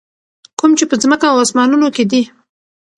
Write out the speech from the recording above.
کوم چې په ځکمه او اسمانونو کي دي.